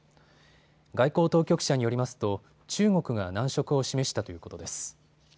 外交当局者によりますと中国が難色を示したということです。